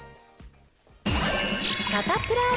サタプラ。